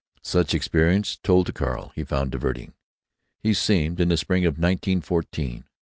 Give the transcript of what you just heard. Such experiences, told to Carl, he found diverting. He seemed, in the spring of 1914, to want no others.